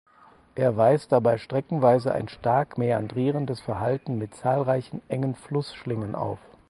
Er weist dabei streckenweise ein stark mäandrierendes Verhalten mit zahlreichen engen Flussschlingen auf.